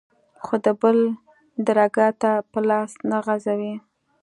خو د بل درګا ته به لاس نه غځوې.